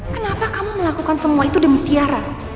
kenapa kamu melakukan semua itu demi tiara